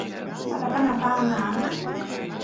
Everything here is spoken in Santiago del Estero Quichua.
palapala paan anqman